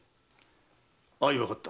相わかった。